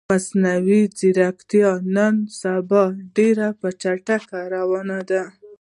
مصنوعی ځیرکتیا نن سبا ډیره په چټکې روانه ده